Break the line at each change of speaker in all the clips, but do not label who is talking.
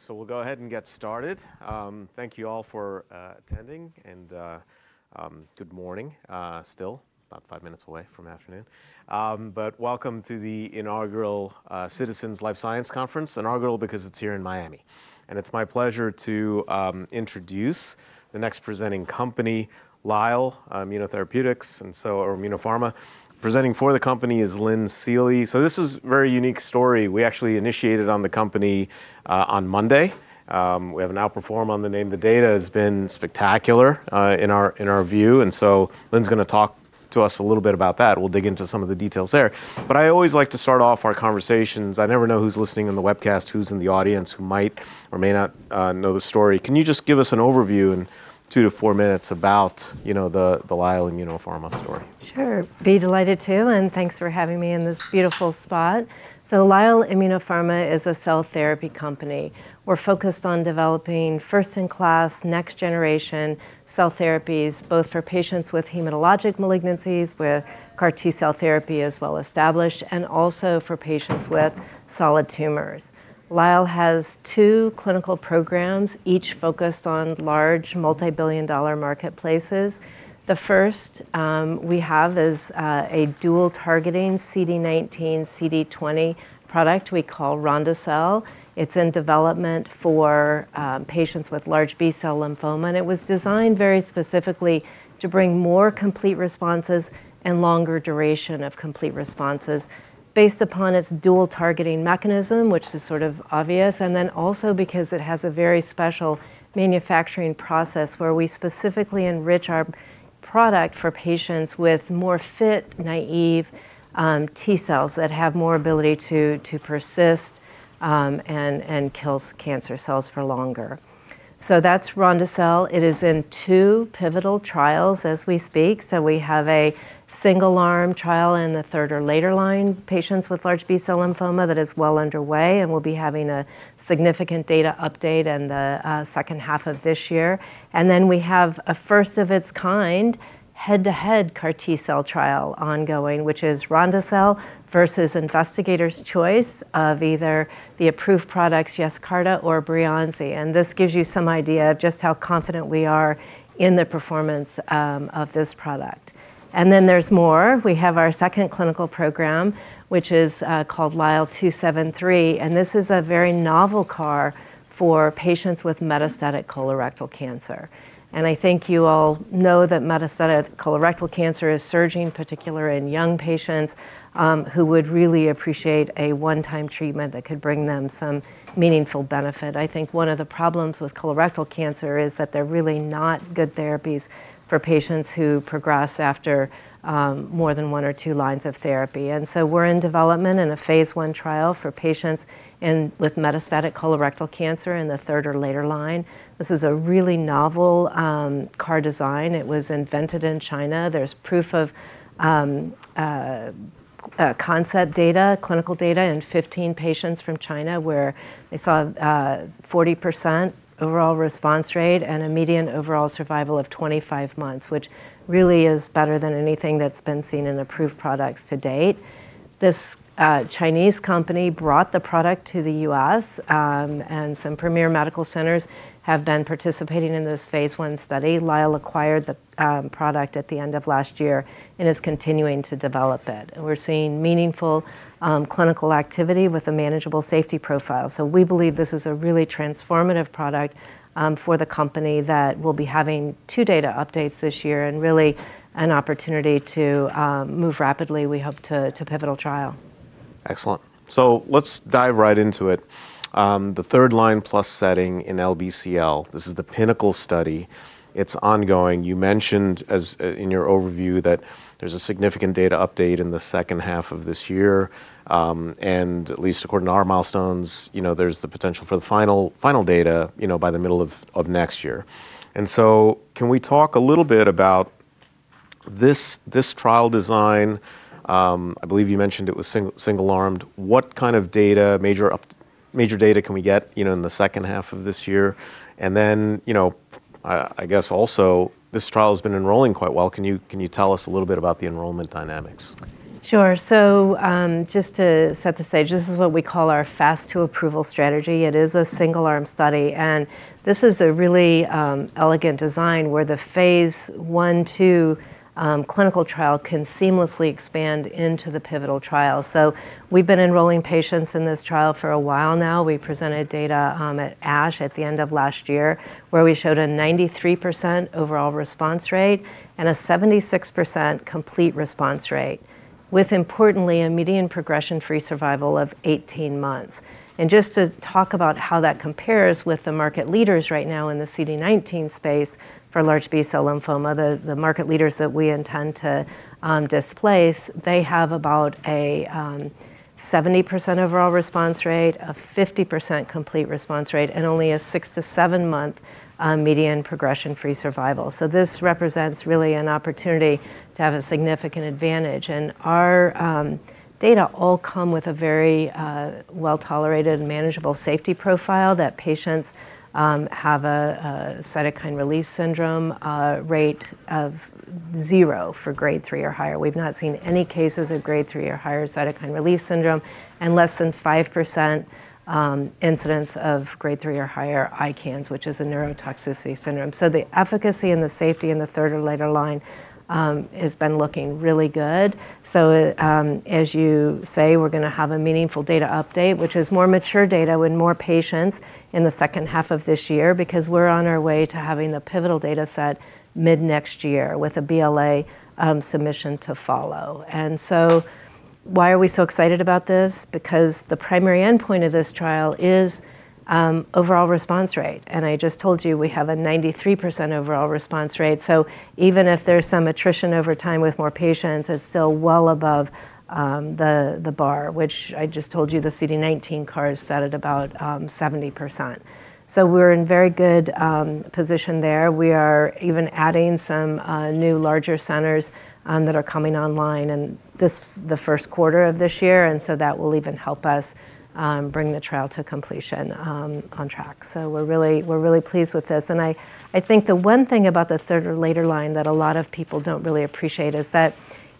All right. We'll go ahead and get started. Thank you all for attending, and good morning, still about 5 minutes away from afternoon. Welcome to the inaugural Citizens Life Sciences Conference, inaugural because it's here in Miami. It's my pleasure to introduce the next presenting company, Lyell Immunopharma. Presenting for the company is Lynn Seely. This is a very unique story. We actually initiated on the company on Monday. We have an outperform on the name. The data has been spectacular in our view. Lynn's gonna talk to us a little bit about that. We'll dig into some of the details there. I always like to start off our conversations. I never know who's listening in the webcast, who's in the audience, who might or may not know the story. Can you just give us an overview in 2-4 minutes about, you know, the Lyell Immunopharma story?
Sure. I'd be delighted to, and thanks for having me in this beautiful spot. Lyell Immunopharma is a cell therapy company. We're focused on developing first-in-class, next-generation cell therapies, both for patients with hematologic malignancies, where CAR T-cell therapy is well-established, and also for patients with solid tumors. Lyell has 2 clinical programs, each focused on large, multibillion-dollar marketplaces. The first we have is a dual-targeting CD19/CD20 product we call Ronde-cel. It's in development for patients with large B-cell lymphoma, and it was designed very specifically to bring more complete responses and longer duration of complete responses based upon its dual targeting mechanism, which is sort of obvious, and then also because it has a very special manufacturing process where we specifically enrich our product for patients with more fit, naive T cells that have more ability to persist and kills cancer cells for longer. That's Ronde-cel. It is in 2 pivotal trials as we speak, so we have a single-arm trial in the third- or later-line patients with large B-cell lymphoma that is well underway, and we'll be having a significant data update in the H2 of this year. We have a first of its kind head-to-head CAR T-cell trial ongoing, which is Ronde-cel versus investigator's choice of either the approved products Yescarta or Breyanzi. This gives you some idea of just how confident we are in the performance of this product. There's more. We have our second clinical program, which is called Lyell 273, and this is a very novel CAR for patients with metastatic colorectal cancer. I think you all know that metastatic colorectal cancer is surging, particularly in young patients who would really appreciate a one-time treatment that could bring them some meaningful benefit. I think one of the problems with colorectal cancer is that they're really not good therapies for patients who progress after more than one or 2 lines of therapy. We're in development in a phase I trial for patients with metastatic colorectal cancer in the third or later line. This is a really novel CAR design. It was invented in China. There's proof of concept data, clinical data in 15 patients from China where they saw 40% overall response rate and a median overall survival of 25 months, which really is better than anything that's been seen in approved products to date. This Chinese company brought the product to the U.S., and some premier medical centers have been participating in this phase I study. Lyell acquired the product at the end of last year and is continuing to develop it. We're seeing meaningful clinical activity with a manageable safety profile. We believe this is a really transformative product for the company that will be having 2 data updates this year and really an opportunity to move rapidly, we hope, to pivotal trial.
Excellent. Let's dive right into it. The third-line plus setting in LBCL, this is the PiNACLE study. It's ongoing. You mentioned as in your overview that there's a significant data update in the H2 of this year, and at least according to our milestones, you know, there's the potential for the final data, you know, by the middle of next year. Can we talk a little bit about this trial design? I believe you mentioned it was single-armed. What kind of data, major data can we get, you know, in the H2 of this year? You know, I guess also this trial has been enrolling quite well. Can you tell us a little bit about the enrollment dynamics?
Sure. Just to set the stage, this is what we call our fast to approval strategy. It is a single arm study, and this is a really elegant design where the phase 1, 2 clinical trial can seamlessly expand into the pivotal trial. We've been enrolling patients in this trial for a while now. We presented data at ASH at the end of last year where we showed a 93% overall response rate and a 76% complete response rate with importantly a median progression-free survival of 18 months. Just to talk about how that compares with the market leaders right now in the CD19 space for large B-cell lymphoma, the market leaders that we intend to displace, they have about a 70% overall response rate, a 50% complete response rate, and only a 6- to 7-month median progression-free survival. This represents really an opportunity to have a significant advantage. Our data all come with a very well-tolerated, manageable safety profile that patients have a cytokine release syndrome rate of 0 for grade 3 or higher. We've not seen any cases of grade 3 or higher cytokine release syndrome and less than 5% incidence of grade 3 or higher ICANS, which is a neurotoxicity syndrome. The efficacy and the safety in the third or later line has been looking really good. As you say, we're gonna have a meaningful data update, which is more mature data with more patients in the H2 of this year because we're on our way to having the pivotal data set mid-next year with a BLA submission to follow. Why are we so excited about this? Because the primary endpoint of this trial is overall response rate. I just told you we have a 93% overall response rate. Even if there's some attrition over time with more patients, it's still well above the bar, which I just told you the CD19 CAR is set at about 70%. We're in very good position there. We are even adding some new larger centers that are coming online in the Q1 of this year, and so that will even help us bring the trial to completion on track. We're really pleased with this. I think the one thing about the third or later line that a lot of people don't really appreciate is that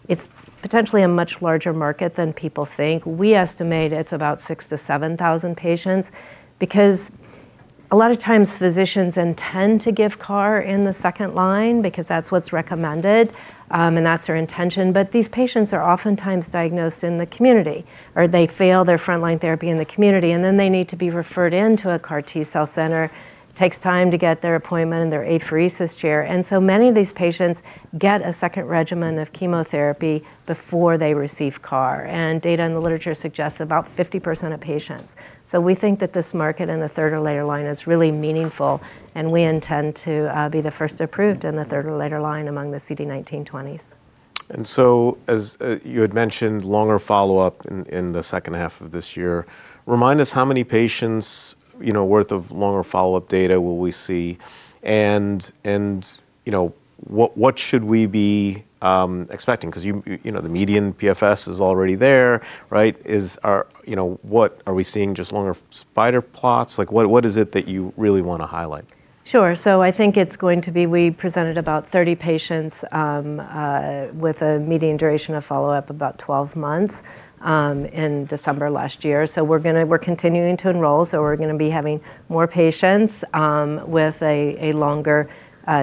it's potentially a much larger market than people think. We estimate it's about 6-7 thousand patients because a lot of times physicians intend to give CAR in the second line because that's what's recommended, and that's their intention. These patients are oftentimes diagnosed in the community, or they fail their frontline therapy in the community, and then they need to be referred into a CAR T-cell center. It takes time to get their appointment and their apheresis chair. Many of these patients get a second regimen of chemotherapy before they receive CAR, and data in the literature suggests about 50% of patients. We think that this market in the third or later line is really meaningful, and we intend to be the first approved in the third or later line among the CD19/CD20s.
As you had mentioned longer follow-up in the H2 of this year, remind us how many patients worth of longer follow-up data will we see and you know, what should we be expecting? 'Cause you know, the median PFS is already there, right? You know, what are we seeing just longer spider plots? Like what is it that you really wanna highlight?
Sure. I think it's going to be we presented about 30 patients with a median duration of follow-up about 12 months in December last year. We're continuing to enroll, so we're gonna be having more patients with a longer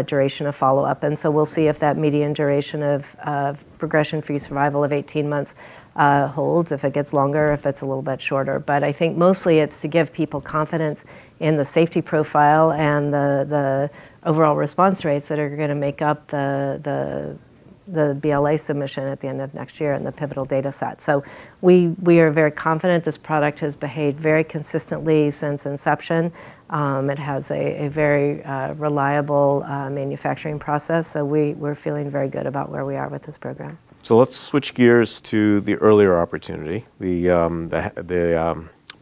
duration of follow-up. We'll see if that median duration of progression-free survival of 18 months holds, if it gets longer, if it's a little bit shorter. I think mostly it's to give people confidence in the safety profile and the overall response rates that are gonna make up the BLA submission at the end of next year and the pivotal data set. We are very confident this product has behaved very consistently since inception. It has a very reliable manufacturing process, so we're feeling very good about where we are with this program.
Let's switch gears to the earlier opportunity, the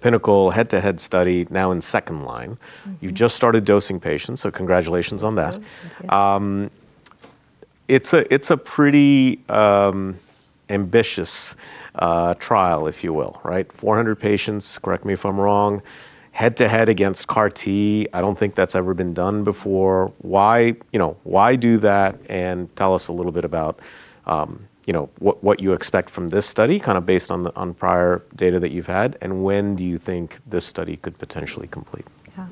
PiNACLE head-to-head study now in second line.
Mm-hmm.
You just started dosing patients, so congratulations on that.
Thank you.
It's a pretty ambitious trial, if you will, right? 400 patients, correct me if I'm wrong, head-to-head against CAR T. I don't think that's ever been done before. Why, you know, why do that? Tell us a little bit about, you know, what you expect from this study kinda based on prior data that you've had, and when do you think this study could potentially complete?
Yeah.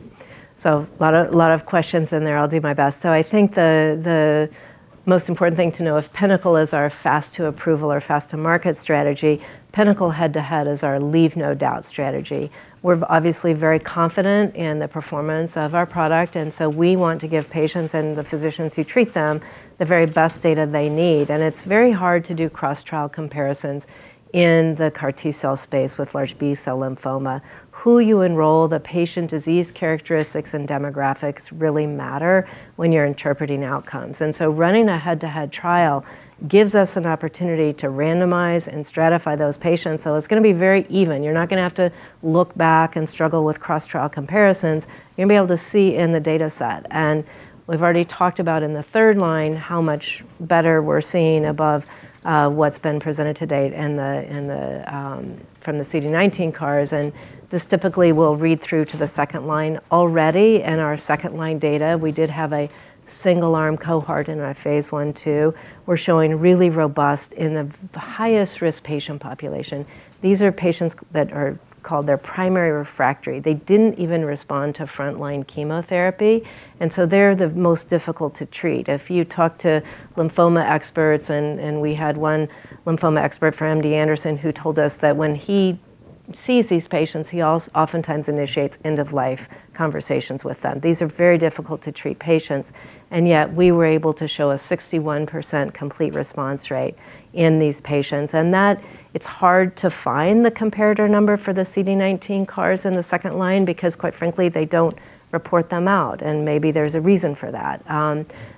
A lot of questions in there. I'll do my best. I think the most important thing to know, if PiNACLE is our fast to approval or fast to market strategy, PiNACLE head-to-head is our leave no doubt strategy. We're obviously very confident in the performance of our product, and so we want to give patients and the physicians who treat them the very best data they need. It's very hard to do cross-trial comparisons in the CAR T-cell space with large B-cell lymphoma. Who you enroll, the patient disease characteristics and demographics really matter when you're interpreting outcomes. Running a head-to-head trial gives us an opportunity to randomize and stratify those patients. It's gonna be very even. You're not gonna have to look back and struggle with cross-trial comparisons. You're gonna be able to see in the data set. We've already talked about in the third line how much better we're seeing above what's been presented to date from the CD19 CARs. This typically will read through to the second line already. In our second line data, we did have a single-arm cohort in our phase 1/2. We're showing really robust in the highest risk patient population. These are patients that are called primary refractory. They didn't even respond to frontline chemotherapy, and so they're the most difficult to treat. If you talk to lymphoma experts, and we had one lymphoma expert from MD Anderson who told us that when he sees these patients, he oftentimes initiates end-of-life conversations with them. These are very difficult to treat patients, and yet we were able to show a 61% complete response rate in these patients. That it's hard to find the comparator number for the CD19 CARs in the second line because quite frankly, they don't report them out, and maybe there's a reason for that.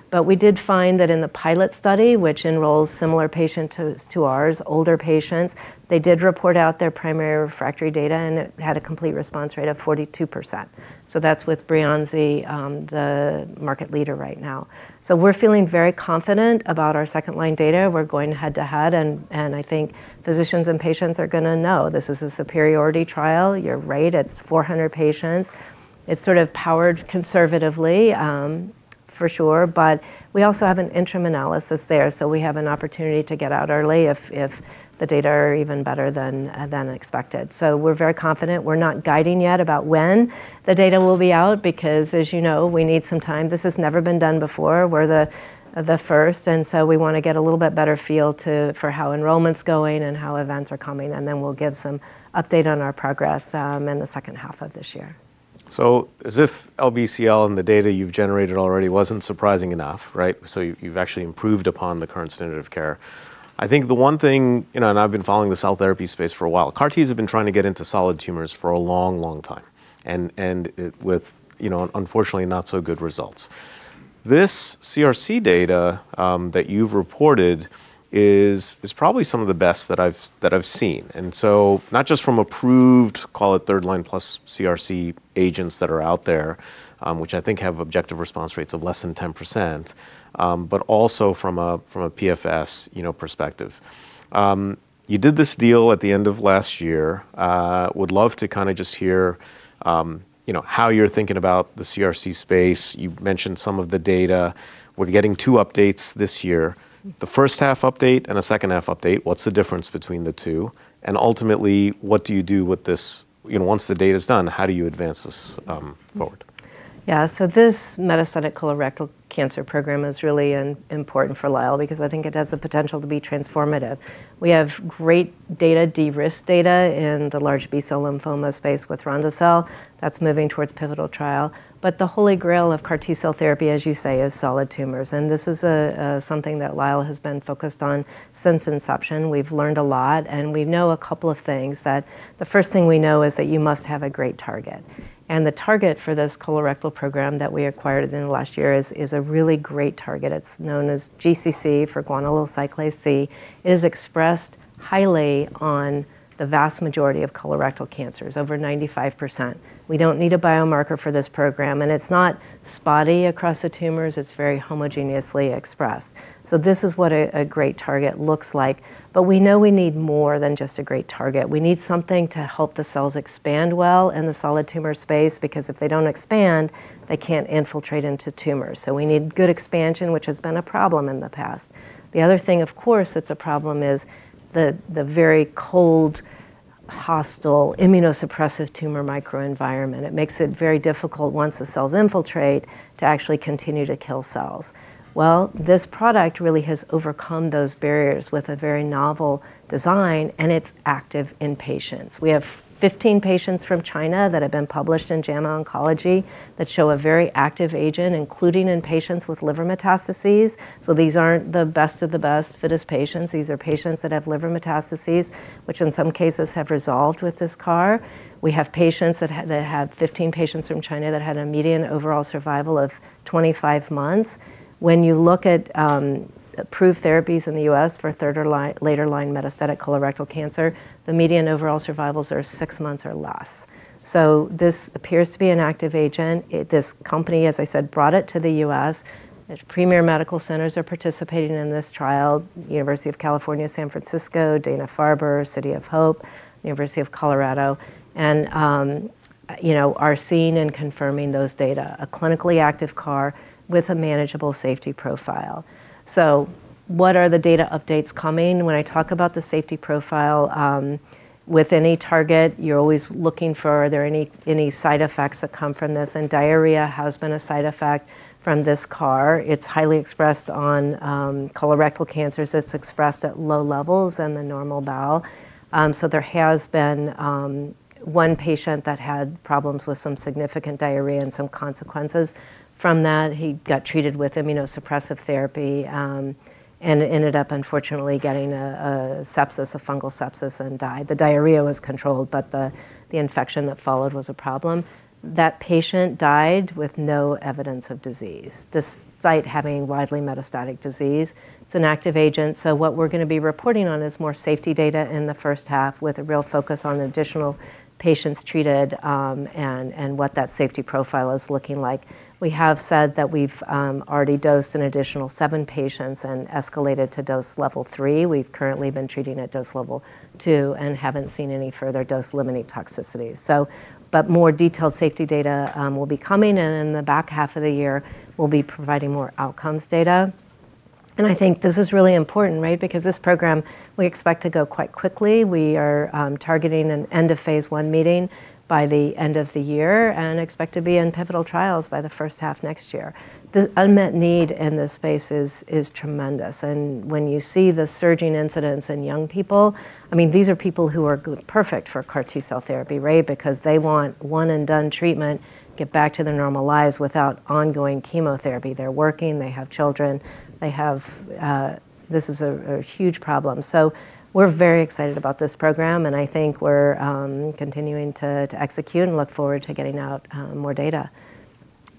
But we did find that in the pilot study, which enrolls similar patient to ours, older patients, they did report out their primary refractory data, and it had a complete response rate of 42%. That's with Breyanzi, the market leader right now. We're feeling very confident about our second line data. We're going head-to-head, and I think physicians and patients are gonna know this is a superiority trial. You're right, it's 400 patients. It's sort of powered conservatively, for sure. We also have an interim analysis there, so we have an opportunity to get out early if the data are even better than expected. We're very confident. We're not guiding yet about when the data will be out because as you know, we need some time. This has never been done before. We're the first, and so we wanna get a little bit better feel for how enrollment's going and how events are coming, and then we'll give some update on our progress in the H2 of this year.
As if LBCL and the data you've generated already wasn't surprising enough, right? You've actually improved upon the current standard of care. I think the one thing, you know, and I've been following the cell therapy space for a while. CAR Ts have been trying to get into solid tumors for a long, long time and, you know, unfortunately not so good results. This CRC data that you've reported is probably some of the best that I've seen. Not just from approved, call it third line plus CRC agents that are out there, which I think have objective response rates of less than 10%, but also from a PFS, you know, perspective. You did this deal at the end of last year. Would love to kinda just hear, you know, how you're thinking about the CRC space. You've mentioned some of the data. We're getting 2 updates this year, the H1 update and a H2 update. What's the difference between the 2? Ultimately, what do you do with this? You know, once the data's done, how do you advance this forward?
Yeah. This metastatic colorectal cancer program is really important for Lyell because I think it has the potential to be transformative. We have great data, de-risked data in the large B-cell lymphoma space with Ronde-cel that's moving towards pivotal trial. The holy grail of CAR T-cell therapy, as you say, is solid tumors, and this is something that Lyell has been focused on since inception. We've learned a lot, and we know a couple of things that the first thing we know is that you must have a great target. The target for this colorectal program that we acquired in the last year is a really great target. It's known as GCC for guanylyl cyclase C. It is expressed highly on the vast majority of colorectal cancers, over 95%. We don't need a biomarker for this program, and it's not spotty across the tumors. It's very homogeneously expressed. This is what a great target looks like. We know we need more than just a great target. We need something to help the cells expand well in the solid tumor space because if they don't expand, they can't infiltrate into tumors. We need good expansion, which has been a problem in the past. The other thing, of course, that's a problem is the very cold, hostile immunosuppressive tumor microenvironment. It makes it very difficult once the cells infiltrate to actually continue to kill cells. Well, this product really has overcome those barriers with a very novel design, and it's active in patients. We have 15 patients from China that have been published in JAMA Oncology that show a very active agent, including in patients with liver metastases. These aren't the best of the best fittest patients. These are patients that have liver metastases, which in some cases have resolved with this CAR. We have patients that had 15 patients from China that had a median overall survival of 25 months. When you look at approved therapies in the U.S. for third or later line metastatic colorectal cancer, the median overall survivals are 6 months or less. This appears to be an active agent. This company, as I said, brought it to the U.S. The premier medical centers are participating in this trial, University of California, San Francisco, Dana-Farber, City of Hope, University of Colorado, and you know, are seeing and confirming those data, a clinically active CAR with a manageable safety profile. What are the data updates coming? When I talk about the safety profile, with any target, you're always looking for, are there any side effects that come from this? Diarrhea has been a side effect from this CAR. It's highly expressed on colorectal cancers. It's expressed at low levels in the normal bowel. So there has been one patient that had problems with some significant diarrhea and some consequences from that. He got treated with immunosuppressive therapy and ended up unfortunately getting a sepsis, a fungal sepsis, and died. The diarrhea was controlled, but the infection that followed was a problem. That patient died with no evidence of disease, despite having widely metastatic disease. It's an active agent, so what we're gonna be reporting on is more safety data in the H1 with a real focus on additional patients treated, and what that safety profile is looking like. We have said that we've already dosed an additional 7 patients and escalated to dose level 3. We've currently been treating at dose level 2 and haven't seen any further dose-limiting toxicities. More detailed safety data will be coming, and in the back half of the year, we'll be providing more outcomes data. I think this is really important, right? Because this program, we expect to go quite quickly. We are targeting an end of Phase 1 meeting by the end of the year and expect to be in pivotal trials by the H1 next year. The unmet need in this space is tremendous, and when you see the surging incidence in young people, I mean, these are people who are perfect for CAR T-cell therapy, right? Because they want one and done treatment, get back to their normal lives without ongoing chemotherapy. They're working, they have children. This is a huge problem. We're very excited about this program, and I think we're continuing to execute and look forward to getting out more data.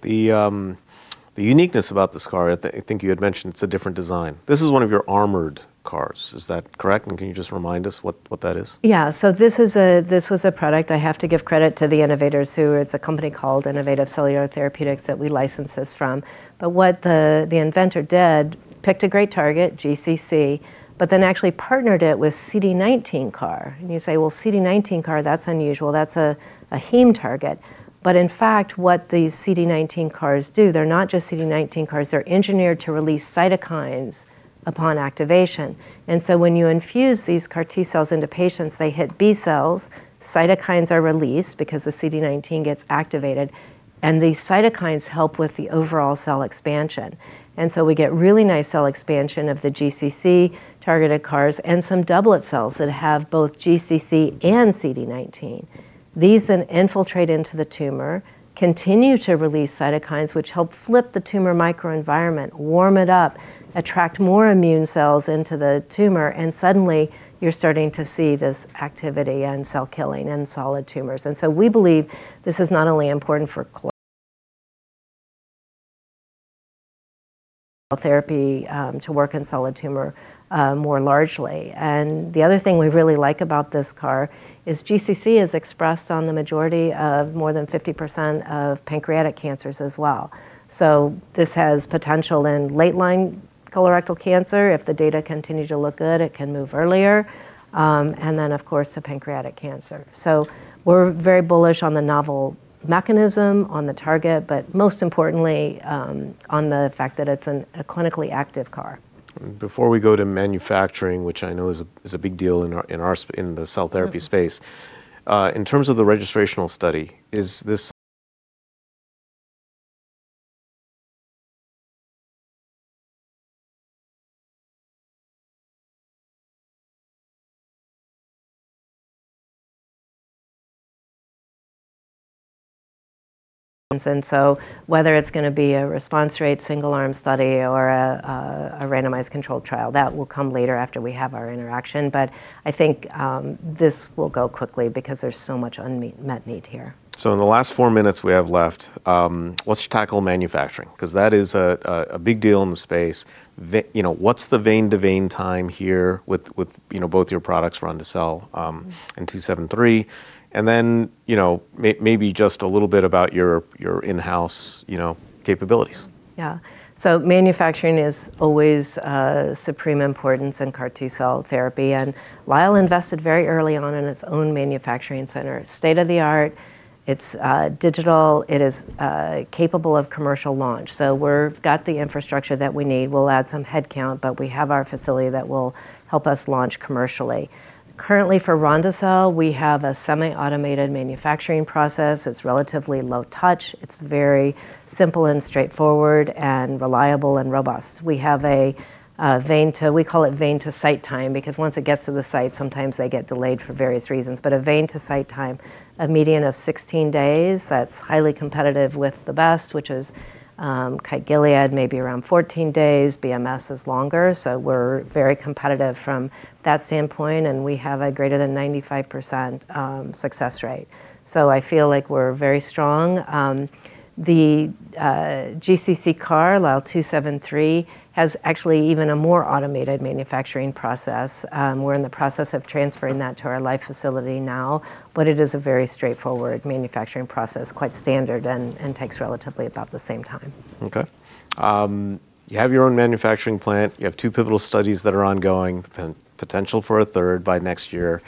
The uniqueness about this CAR, I think you had mentioned it's a different design. This is one of your armored CARs. Is that correct? Can you just remind us what that is?
Yeah. This was a product I have to give credit to the innovators. It's a company called Innovative Cellular Therapeutics that we licensed this from. What the inventor did, picked a great target, GCC, but then actually partnered it with CD19 CAR. You say, "Well, CD19 CAR, that's unusual. That's a heme target." In fact, what these CD19 CARs do, they're not just CD19 CARs. They're engineered to release cytokines upon activation. When you infuse these CAR T-cells into patients, they hit B-cells. Cytokines are released because the CD19 gets activated, and the cytokines help with the overall cell expansion. We get really nice cell expansion of the GCC-targeted CARs and some doublet cells that have both GCC and CD19. These then infiltrate into the tumor, continue to release cytokines, which help flip the tumor microenvironment, warm it up, attract more immune cells into the tumor, and suddenly you're starting to see this activity and cell killing in solid tumors. We believe this is not only important for therapy to work in solid tumor more largely. The other thing we really like about this CAR is GCC is expressed on the majority of more than 50% of pancreatic cancers as well. This has potential in late-line colorectal cancer. If the data continue to look good, it can move earlier and then of course to pancreatic cancer. We're very bullish on the novel mechanism on the target, but most importantly on the fact that it's a clinically active CAR.
Before we go to manufacturing, which I know is a big deal in the cell therapy space.
Mm-hmm.
In terms of the registrational study, is this?
Whether it's gonna be a response rate, single arm study, or a randomized controlled trial, that will come later after we have our interaction. I think this will go quickly because there's so much unmet need here.
In the last 4 minutes we have left, let's tackle manufacturing 'cause that is a big deal in the space. You know, what's the vein to vein time here with both your products Ronde-cel and LYL273. And then, you know, maybe just a little bit about your in-house capabilities.
Yeah. Manufacturing is always of supreme importance in CAR T-cell therapy, and Lyell invested very early on in its own manufacturing center. State-of-the-art, it's digital. It is capable of commercial launch. We've got the infrastructure that we need. We'll add some headcount, but we have our facility that will help us launch commercially. Currently for Ronde-cel, we have a semi-automated manufacturing process. It's relatively low touch. It's very simple and straightforward and reliable and robust. We have a vein-to-site time we call vein-to-site time because once it gets to the site, sometimes they get delayed for various reasons. But a vein-to-site time, a median of 16 days, that's highly competitive with the best, which is Kite Gilead, maybe around 14 days. BMS is longer, so we're very competitive from that standpoint, and we have a greater than 95% success rate. I feel like we're very strong. The GCC CAR LYL273 has actually even a more automated manufacturing process. We're in the process of transferring that to our Lyell facility now. It is a very straightforward manufacturing process, quite standard and takes relatively about the same time.
Okay. You have your own manufacturing plant. You have 2 pivotal studies that are ongoing. Potential for a third by next year.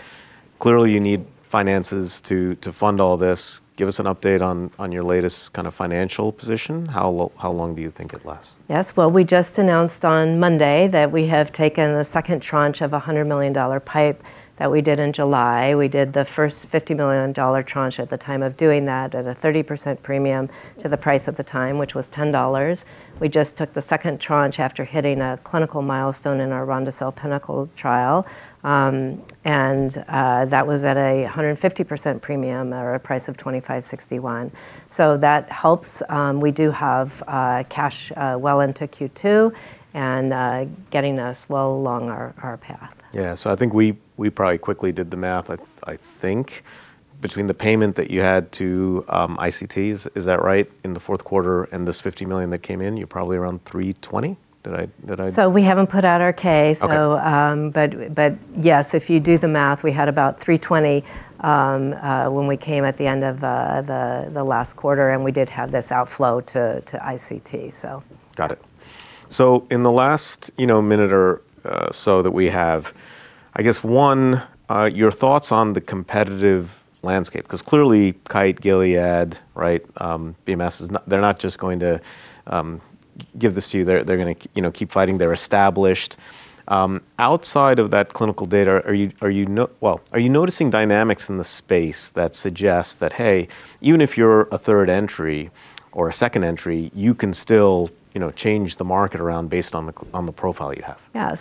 Clearly, you need finances to fund all this. Give us an update on your latest kinda financial position. How long do you think it lasts?
Yes. Well, we just announced on Monday that we have taken the second tranche of a $100 million PIPE that we did in July. We did the first $50 million tranche at the time of doing that at a 30% premium to the price at the time, which was $10. We just took the second tranche after hitting a clinical milestone in our Ronde-cel PiNACLE trial. That was at a 150% premium or a price of $25.61. That helps. We do have cash well into Q2 and getting us well along our path.
Yeah. I think we probably quickly did the math. I think between the payment that you had to ICT, is that right? In the Q4 and this $50 million that came in, you're probably around 320. Did I-
We haven't put out our 10-K.
Okay.
Yes, if you do the math, we had about $320 at the end of the last quarter, and we did have this outflow to ICT, so.
Got it. In the last, you know, minute or so that we have, I guess one, your thoughts on the competitive landscape. 'Cause clearly Kite, Gilead, right, BMS is not. They're not just going to give this to you. They're gonna keep fighting. They're established. Outside of that clinical data, are you noticing dynamics in the space that suggest that, hey, even if you're a third entry or a second entry, you can still, you know, change the market around based on the profile you have?
Yeah.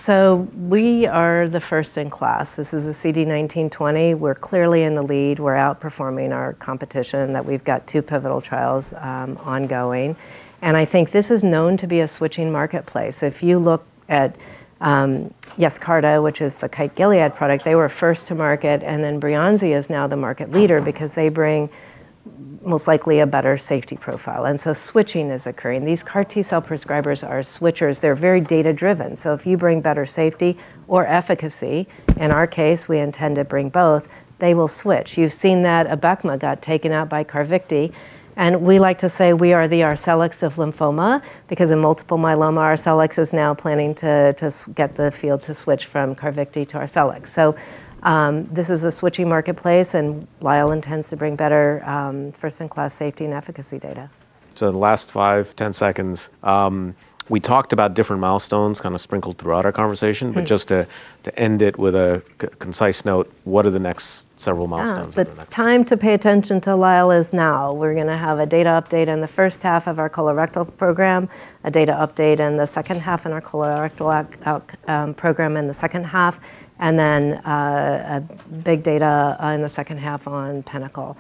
We are the first in class. This is a CD19/CD20. We're clearly in the lead. We're outperforming our competition that we've got 2 pivotal trials ongoing, and I think this is known to be a switching marketplace. If you look at Yescarta, which is the Kite-Gilead product, they were first to market, and then Breyanzi is now the market leader because they bring most likely a better safety profile, and switching is occurring. These CAR T-cell prescribers are switchers. They're very data-driven. If you bring better safety or efficacy, in our case we intend to bring both, they will switch. You've seen that Abecma got taken out by Carvykti, and we like to say we are the Arcellx of lymphoma because in multiple myeloma, Arcellx is now planning to get the field to switch from Carvykti to Arcellx. This is a switching marketplace, and Lyell intends to bring better, first-in-class safety and efficacy data.
The last 5, 10 seconds, we talked about different milestones kinda sprinkled throughout our conversation.
Mm.
Just to end it with a concise note, what are the next several milestones or the next-
The time to pay attention to Lyell is now. We're gonna have a data update in the H1 of our colorectal program, a data update in the H2 in our colorectal program, and then a big data in the H2 on PiNACLE.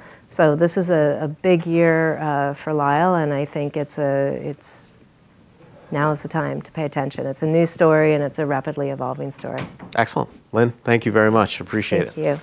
This is a big year for Lyell, and I think now is the time to pay attention. It's a new story, and it's a rapidly evolving story.
Excellent. Lynn, thank you very much. Appreciate it.
Thank you.